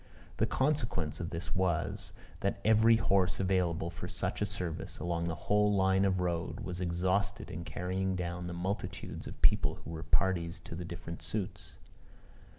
The consequence of this was that every horse available for such a service, along the whole line of road, was exhausted in carrying down the multitudes of people who were parties to the different suits.